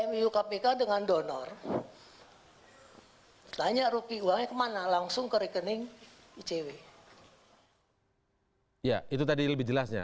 mu kpk dengan donor tanya ruki uangnya kemana langsung ke rekening icw ya itu tadi lebih jelasnya